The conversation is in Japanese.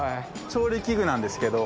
調理器具なんですけど。